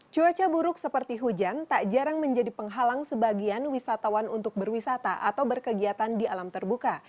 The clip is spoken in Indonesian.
cuaca buruk seperti hujan tak jarang menjadi penghalang sebagian wisatawan untuk berwisata atau berkegiatan di alam terbuka